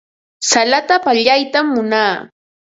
Salata pallaytam munaa.